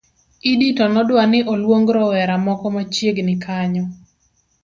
Idi to nodwa ni olwong rowera moko machiegni kanyo